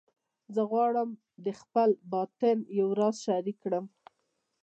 زه غواړم د خپل باطن یو راز شریک کړم